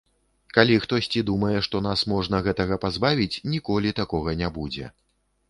Калі хтосьці думае, што нас можна гэтага пазбавіць, ніколі такога не будзе.